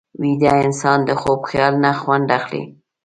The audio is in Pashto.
ویده انسان د خوب خیال نه خوند اخلي